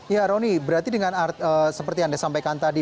ya roni berarti dengan seperti yang anda sampaikan tadi